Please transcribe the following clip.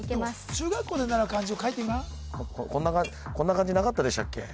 中学校で習う漢字を書いてみなこんな漢字なかったでしたっけ？